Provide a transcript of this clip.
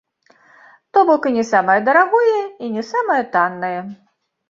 То бок і не самае дарагое, і не самае таннае.